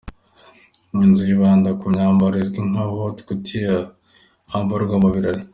Iyi nzu yibanda ku myambaro izwi nka ‘Haute Couture’ yambarwa mu birori.